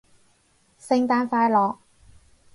聖誕快樂